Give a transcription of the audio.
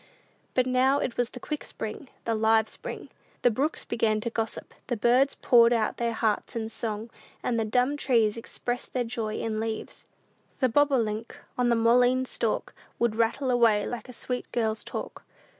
But now it was the quick spring, the live spring. The brooks began to gossip; the birds poured out their hearts in song, and the dumb trees expressed their joy in leaves. "The bobolink, on the mullein stalk, Would rattle away like a sweet girl's talk."